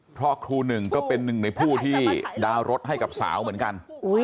เพราะครูหนึ่งก็เป็นหนึ่งในผู้ที่ดาวน์รถให้กับสาวเหมือนกัน